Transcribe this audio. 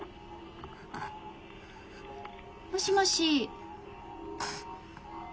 もしもし。